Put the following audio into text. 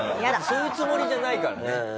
そういうつもりじゃないからね。